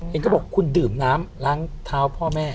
เขาบอกคุณดื่มน้ำล้างเท้าพ่อแม่